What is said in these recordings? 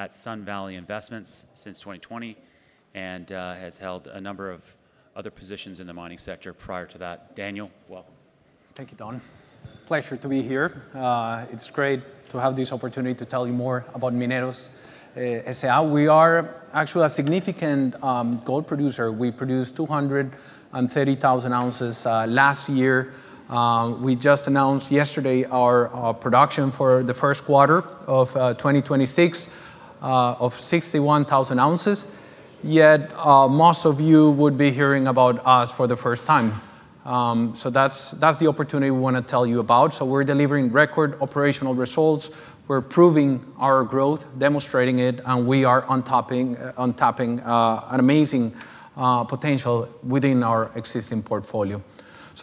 At Sun Valley Investments since 2020, and has held a number of other positions in the mining sector prior to that. Daniel, welcome. Thank you, Don. Pleasure to be here. It's great to have this opportunity to tell you more about Mineros S.A. We are actually a significant gold producer. We produced 230,000 oz last year. We just announced yesterday our production for the first quarter of 2026 of 61,000 oz. Yet most of you would be hearing about us for the first time. That's the opportunity we want to tell you about. We're delivering record operational results. We're proving our growth, demonstrating it, and we are untapping an amazing potential within our existing portfolio.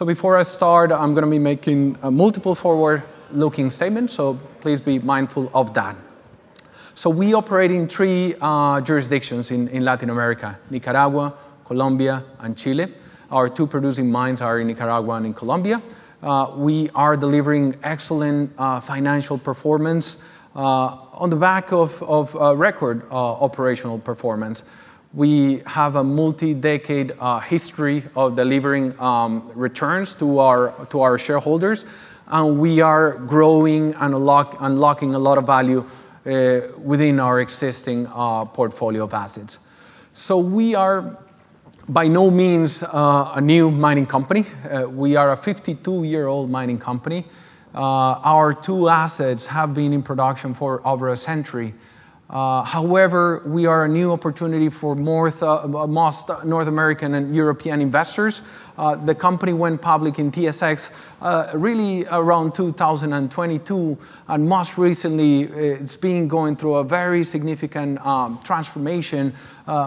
Before I start, I'm going to be making multiple forward-looking statements, so please be mindful of that. We operate in three jurisdictions in Latin America, Nicaragua, Colombia, and Chile. Our two producing mines are in Nicaragua and in Colombia. We are delivering excellent financial performance on the back of record operational performance. We have a multi-decade history of delivering returns to our shareholders, and we are growing and unlocking a lot of value within our existing portfolio of assets. We are by no means a new mining company. We are a 52-year-old mining company. Our two assets have been in production for over a century. However, we are a new opportunity for most North American and European investors. The company went public in TSX really around 2022. Most recently it's been going through a very significant transformation.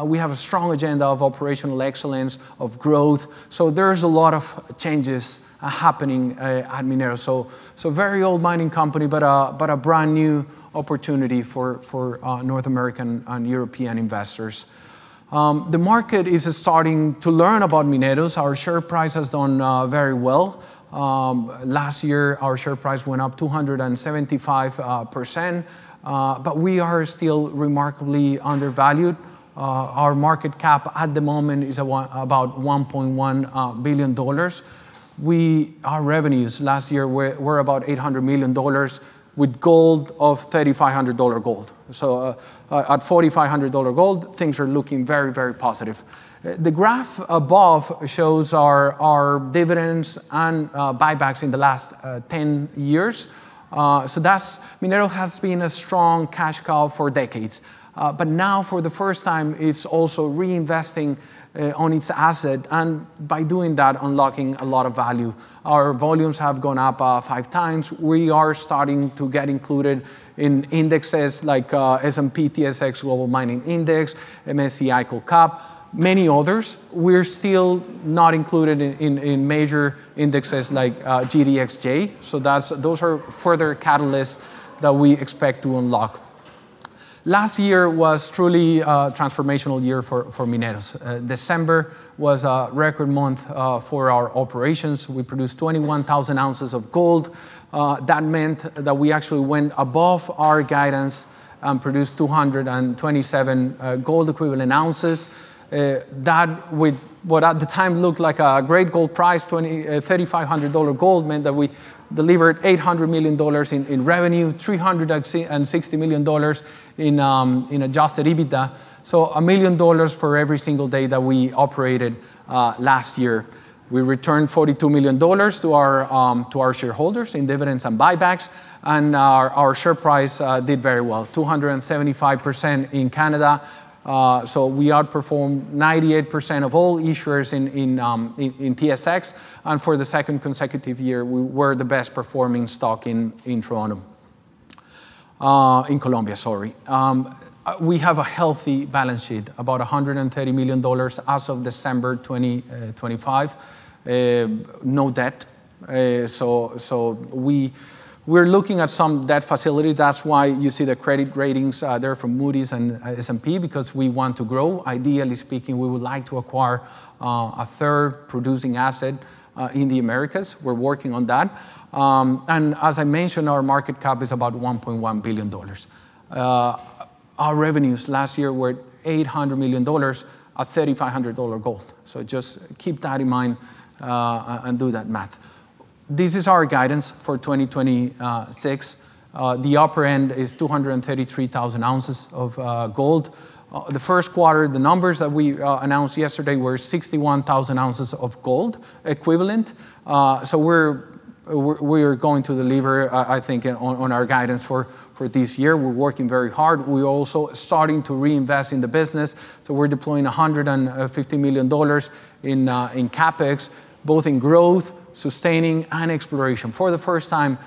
We have a strong agenda of operational excellence, of growth. There's a lot of changes happening at Mineros. Very old mining company, but a brand-new opportunity for North American and European investors. The market is starting to learn about Mineros. Our share price has done very well. Last year our share price went up 275%, but we are still remarkably undervalued. Our market cap at the moment is about $1.1 billion. Our revenues last year were about $800 million with gold of $3,500 gold. At $4,500 gold, things are looking very, very positive. The graph above shows our dividends and buybacks in the last 10 years. Mineros has been a strong cash cow for decades. Now for the first time, it's also reinvesting on its asset and by doing that, unlocking a lot of value. Our volumes have gone up five times. We are starting to get included in indexes like S&P/TSX Global Mining Index, MSCI Gold Cap, many others. We're still not included in major indexes like GDXJ. Those are further catalysts that we expect to unlock. Last year was truly a transformational year for Mineros. December was a record month for our operations. We produced 21,000 oz of gold. That meant that we actually went above our guidance and produced 227 gold equivalent ounces. That with what at the time looked like a great gold price, $3,500 gold meant that we delivered $800 million in revenue, $360 million in adjusted EBITDA. So $1 million for every single day that we operated last year. We returned $42 million to our shareholders in dividends and buybacks. And our share price did very well, 275% in Canada. So we outperformed 98% of all issuers in TSX. And for the second consecutive year, we were the best performing stock in Colombia. We have a healthy balance sheet, about $130 million as of December 2025. No debt. So we're looking at some debt facilities. That's why you see the credit ratings there from Moody's and S&P because we want to grow. Ideally speaking, we would like to acquire a third producing asset in the Americas. We're working on that. As I mentioned, our market cap is about $1.1 billion. Our revenues last year were $800 million at $3,500 gold. Just keep that in mind, and do that math. This is our guidance for 2026. The upper end is 233,000 oz of gold. The first quarter, the numbers that we announced yesterday were 61,000 oz of gold equivalent. We're going to deliver our guidance for this year. We're working very hard. We're also starting to reinvest in the business. We're deploying $150 million in CapEx, both in growth, sustaining, and exploration. For the first time,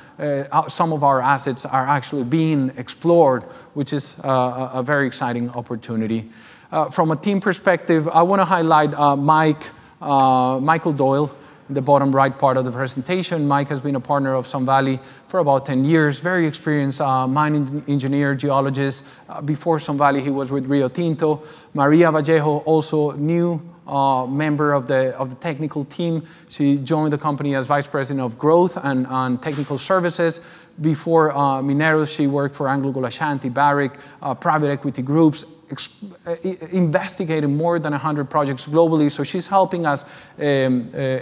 some of our assets are actually being explored, which is a very exciting opportunity. From a team perspective, I want to highlight Michael Doyle, the bottom right part of the presentation. Michael has been a partner of Sun Valley for about 10 years. Very experienced mining engineer, geologist. Before Sun Valley, he was with Rio Tinto. María Vallejo, also a new member of the technical team. She joined the company as Vice President of Growth and Technical Services. Before Mineros, she worked for AngloGold Ashanti, Barrick, private equity groups, investigating more than 100 projects globally. She's helping us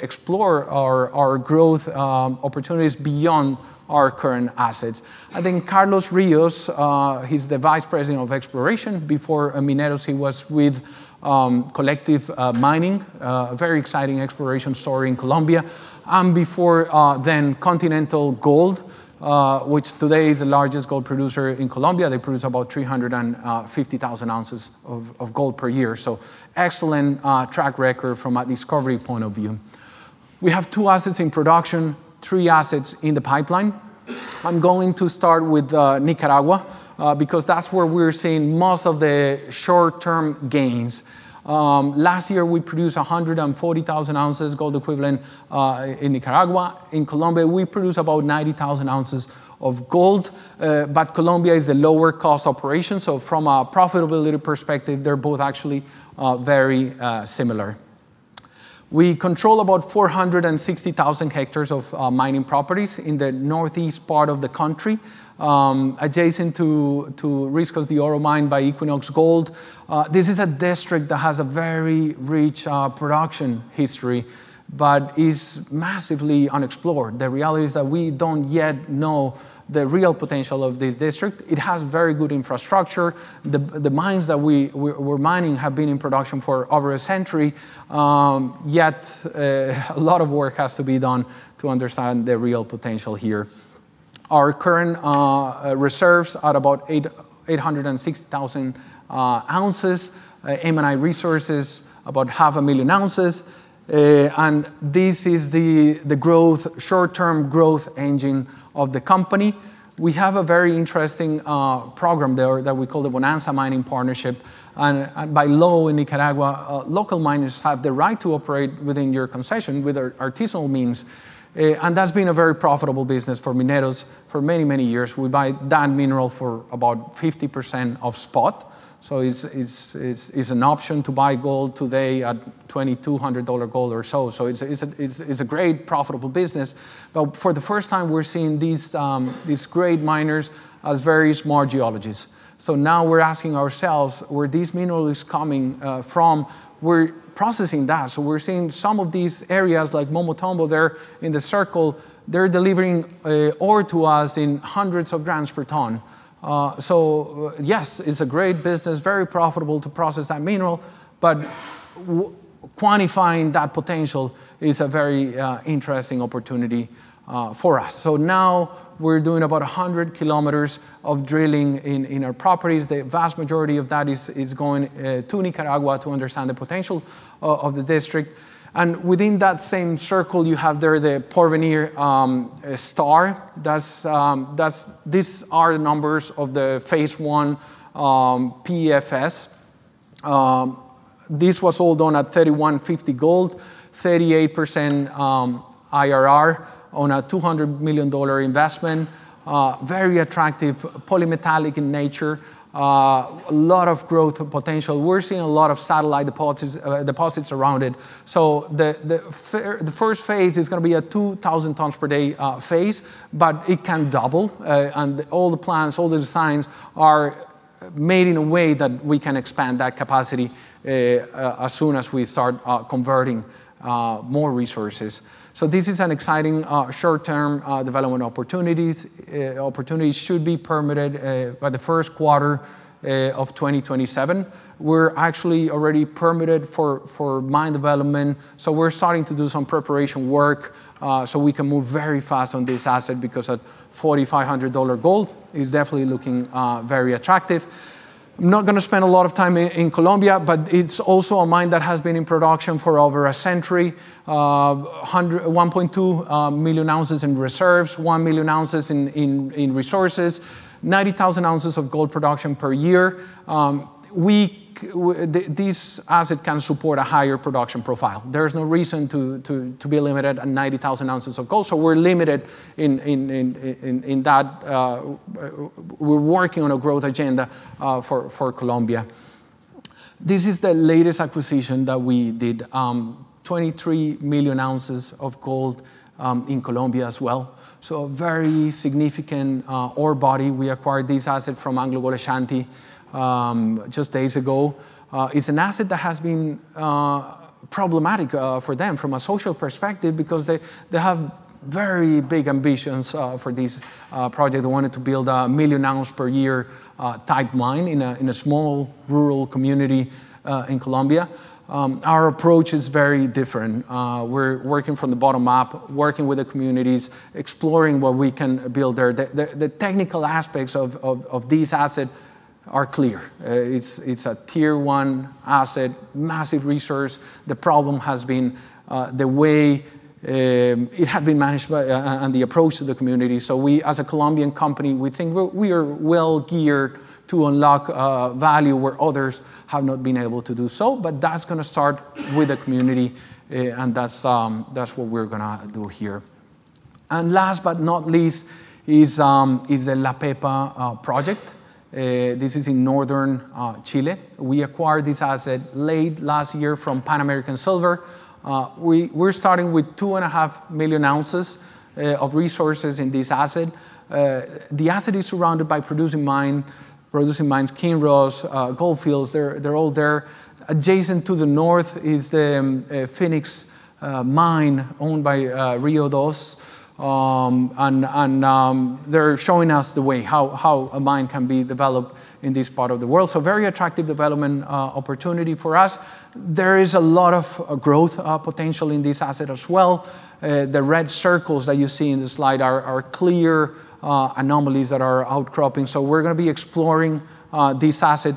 explore our growth opportunities beyond our current assets. Carlos Ríos, he's the Vice President of Exploration. Before Mineros, he was with Collective Mining, a very exciting exploration story in Colombia. Continental Gold, which today is the largest gold producer in Colombia. They produce about 350,000 oz of gold per year. Excellent track record from a discovery point of view. We have two assets in production, three assets in the pipeline. I'm going to start with Nicaragua, because that's where we're seeing most of the short-term gains. Last year, we produced 140,000 oz gold equivalent in Nicaragua. In Colombia, we produce about 90,000 oz of gold. Colombia is the lower-cost operation, so from a profitability perspective, they're both actually very similar. We control about 460,000 hectares of mining properties in the northeast part of the country, adjacent to Riscos de Oro mine by Equinox Gold. This is a district that has a very rich production history but is massively unexplored. The reality is that we don't yet know the real potential of this district. It has very good infrastructure. The mines that we're mining have been in production for over a century. Yet, a lot of work has to be done to understand the real potential here. Our current reserves at about 806,000 oz, M&I Resources, about 500,000 oz. This is the short-term growth engine of the company. We have a very interesting program there that we call the Bonanza Mining Partnership. By law in Nicaragua, local miners have the right to operate within your concession with artisanal means. That's been a very profitable business for Mineros for many, many years. We buy that mineral for about 50% of spot. It's an option to buy gold today at $2,200 gold or so. It's a great profitable business. For the first time, we're seeing these great miners as very small geologists. Now we're asking ourselves where this mineral is coming from. We're processing that. We're seeing some of these areas like Momotombo there in the circle, they're delivering ore to us in hundreds of grams per ton. Yes, it's a great business, very profitable to process that mineral, but quantifying that potential is a very interesting opportunity for us. Now we're doing about 100 km of drilling in our properties. The vast majority of that is going to Nicaragua to understand the potential of the district. Within that same circle you have there the Porvenir star. These are the numbers of the phase I PFS. This was all done at $3,150 gold, 38% IRR on a $200 million investment. Very attractive, polymetallic in nature. A lot of growth potential. We're seeing a lot of satellite deposits around it. The first phase is going to be a 2,000 tons/day phase, but it can double. All the plans, all the designs are made in a way that we can expand that capacity as soon as we start converting more resources. This is an exciting short-term development opportunity. It should be permitted by the first quarter of 2027. We're actually already permitted for mine development, so we're starting to do some preparation work so we can move very fast on this asset because at $4,500 gold it's definitely looking very attractive. I'm not going to spend a lot of time in Colombia, but it's also a mine that has been in production for over a century. It has 1,200,000 oz in reserves, 1,000,000 oz in resources, and 90,000 oz of gold production per year. This asset can support a higher production profile. There's no reason to be limited at 90,000 oz of gold. We're looking at a growth agenda for Colombia. This is the latest acquisition that we did. It has 23,000,000 oz of gold in Colombia as well. It is a very significant orebody. We acquired this asset from AngloGold Ashanti just days ago. It's an asset that has been problematic for them from a social perspective because they have very big ambitions for this project. They wanted to build 1,000,000 oz/year type mine in a small rural community in Colombia. Our approach is very different. We're working from the bottom up, working with the communities, exploring what we can build there. The technical aspects of this asset are clear. It's a tier one asset, massive resource. The problem has been the way it had been managed and the approach to the community. We as a Colombian company, we think we are well geared to unlock value where others have not been able to do so. That's going to start with the community, and that's what we're going to do here. Last but not least is the La Pepa Project. This is in northern Chile. We acquired this asset late last year from Pan American Silver. We're starting with 2,500,000 oz of resources in this asset. The asset is surrounded by producing mines, Kinross, Gold Fields, they're all there. Adjacent to the north is the Fenix mine, owned by Rio2. They're showing us the way, how a mine can be developed in this part of the world, a very attractive development opportunity for us. There is a lot of growth potential in this asset as well. The red circles that you see in the slide are clear anomalies that are outcropping. We're going to be exploring this asset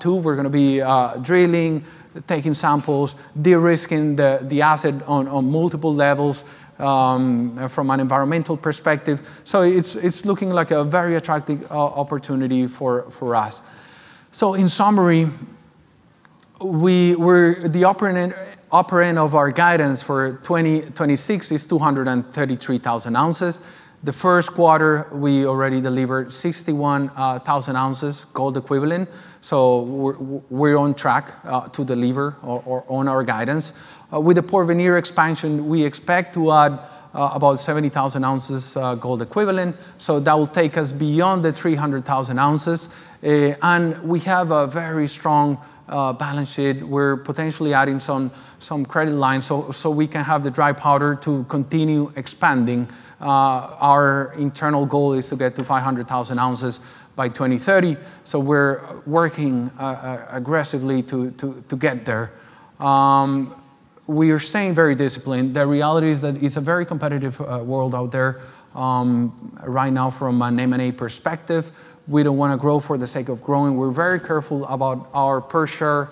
too. We're going to be drilling, taking samples, de-risking the asset on multiple levels from an environmental perspective. It's looking like a very attractive opportunity for us. In summary, the upper end of our guidance for 2026 is 233,000 oz. The first quarter, we already delivered 61,000 oz gold equivalent. We're on track to deliver on our guidance. With the Porvenir expansion, we expect to add about 70,000 oz gold equivalent. That will take us beyond the 300,000 oz. We have a very strong balance sheet. We're potentially adding some credit lines so we can have the dry powder to continue expanding. Our internal goal is to get to 500,000 oz by 2030. We're working aggressively to get there. We are staying very disciplined. The reality is that it's a very competitive world out there right now from an M&A perspective. We don't want to grow for the sake of growing. We're very careful about our per-share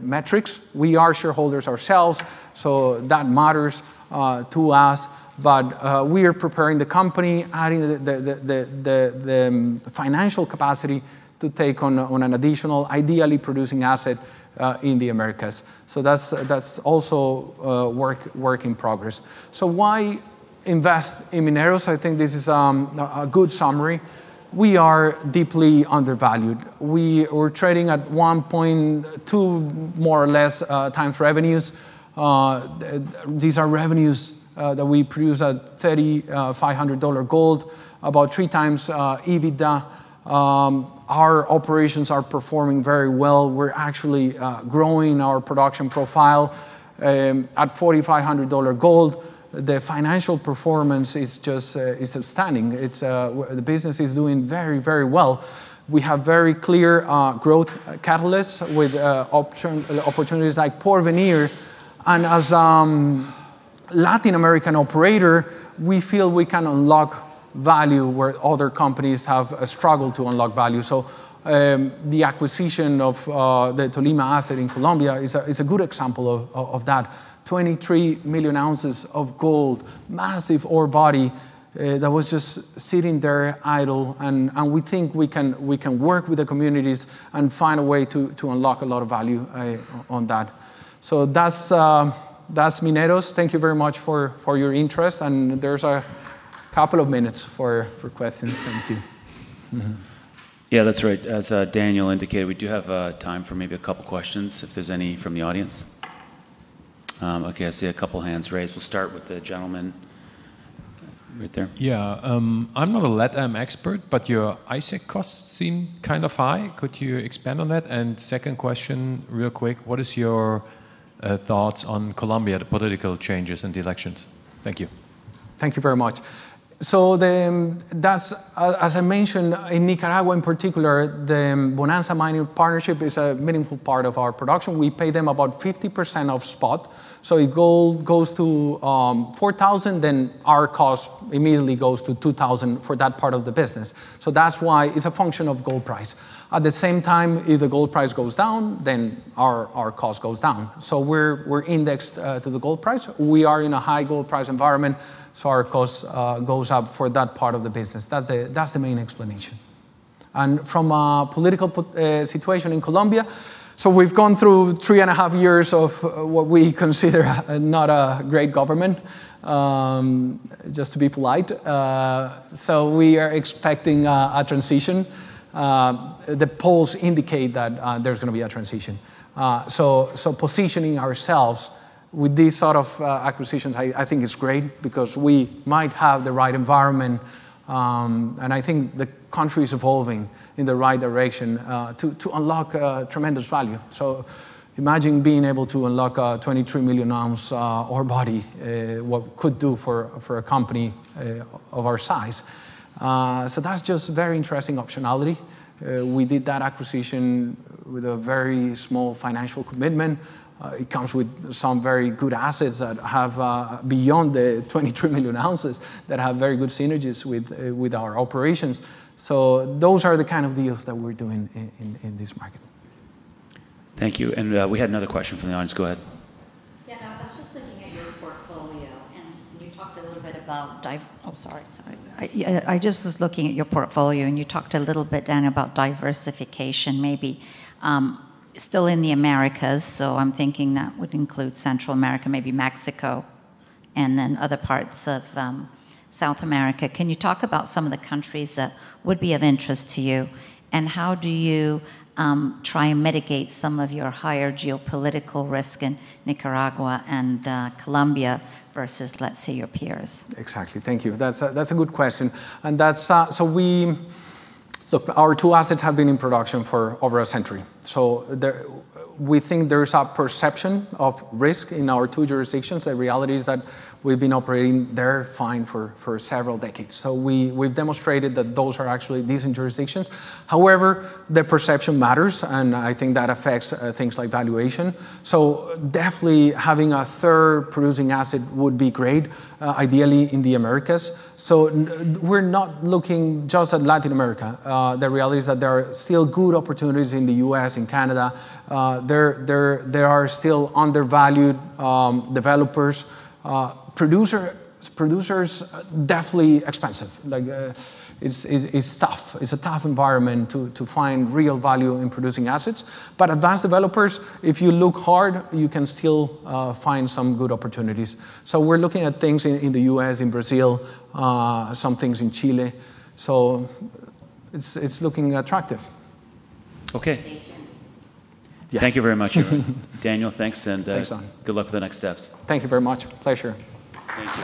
metrics. We are shareholders ourselves, so that matters to us. We are preparing the company, adding the financial capacity to take on an additional, ideally producing asset in the Americas. That's also a work in progress. Why invest in Mineros? I think this is a good summary. We are deeply undervalued. We're trading at 1.2 more or less times revenues. These are revenues that we produce at $3,500 gold, about 3x EBITDA. Our operations are performing very well. We're actually growing our production profile at $4,500 gold. The financial performance is just stunning. The business is doing very well. We have very clear growth catalysts with opportunities like Porvenir. As a Latin American operator, we feel we can unlock value where other companies have struggled to unlock value. The acquisition of the Tolima asset in Colombia is a good example of that. 23,000,000 oz of gold, massive ore body that was just sitting there idle, and we think we can work with the communities and find a way to unlock a lot of value on that. That's Mineros. Thank you very much for your interest, and there's a couple of minutes for questions. Thank you. Mm-hmm. Yeah, that's right. As Daniel indicated, we do have time for maybe a couple questions if there's any from the audience. Okay, I see a couple hands raised. We'll start with the gentleman right there. Yeah. I'm not a LATAM expert, but your AISC costs seem kind of high. Could you expand on that? Second question, real quick, what is your thoughts on Colombia, the political changes, and the elections? Thank you. Thank you very much. As I mentioned, in Nicaragua in particular, the Bonanza Mining Partnership is a meaningful part of our production. We pay them about 50% of spot. If gold goes to $4,000, then our cost immediately goes to $2,000 for that part of the business. That's why it's a function of gold price. At the same time, if the gold price goes down, then our cost goes down. We're indexed to the gold price. We are in a high gold price environment, so our cost goes up for that part of the business. That's the main explanation. From a political situation in Colombia, we've gone through 3.5 years of what we consider not a great government, just to be polite. We are expecting a transition. The polls indicate that there's going to be a transition. Positioning ourselves with these sort of acquisitions, I think is great because we might have the right environment, and I think the country's evolving in the right direction to unlock tremendous value. Imagine being able to unlock a 23,000,000 oz ore body, what it could do for a company of our size. That's just very interesting optionality. We did that acquisition with a very small financial commitment. It comes with some very good assets that have beyond the 23,000,000 oz that have very good synergies with our operations. Those are the kind of deals that we're doing in this market. Thank you. We had another question from the audience. Go ahead. Yeah. I just was looking at your portfolio, and you talked a little bit, Daniel, about diversification, maybe still in the Americas, so I'm thinking that would include Central America, maybe Mexico, and then other parts of South America. Can you talk about some of the countries that would be of interest to you? How do you try and mitigate some of your higher geopolitical risk in Nicaragua and Colombia versus, let's say, your peers? Exactly. Thank you. That's a good question. Look, our two assets have been in production for over a century. We think there's a perception of risk in our two jurisdictions. The reality is that we've been operating there fine for several decades. We've demonstrated that those are actually decent jurisdictions. However, the perception matters, and I think that affects things like valuation. Definitely having a third producing asset would be great, ideally in the Americas. We're not looking just at Latin America. The reality is that there are still good opportunities in the U.S., in Canada. There are still undervalued developers. Producers, definitely expensive. It's tough. It's a tough environment to find real value in producing assets. Advanced developers, if you look hard, you can still find some good opportunities. We're looking at things in the U.S., in Brazil, some things in Chile, so it's looking attractive. Okay. Thank you. Yes. Thank you very much, everyone. Daniel, thanks. Thanks Good luck with the next steps. Thank you very much. Pleasure. Thank you.